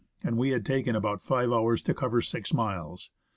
and we had taken about five hours to cover six miles.